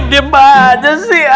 diem diem banget sih ya